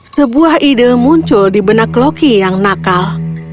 sebuah ide muncul di benak loki yang nakal